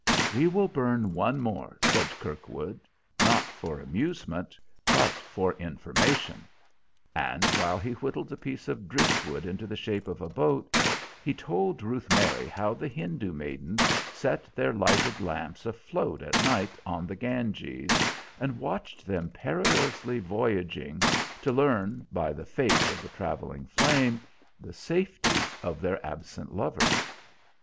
"We will burn one more," said Kirkwood, "not for amusement, but for information." And while he whittled a piece of driftwood into the shape of a boat, he told Ruth Mary how the Hindoo maidens set their lighted lamps afloat at night on the Ganges, and watch them perilously voyaging, to learn, by the fate of the traveling flame, the safety of their absent lovers.